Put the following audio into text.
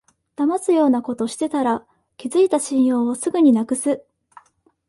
だますようなことしてたら、築いた信用をすぐになくす